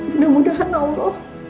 tidak mudahkan allah